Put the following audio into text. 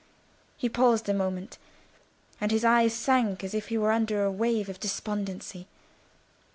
He paused a moment, and his eyes sank as if he were under a wave of despondency.